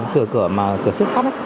cửa xếp sắt